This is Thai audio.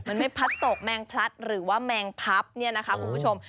มันไม่พลัดตกแมงพลัดหรือว่าแมงพับเนี่ยนะคะคุณผู้ชม